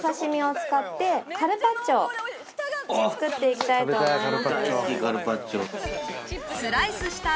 使って行きたいと思います。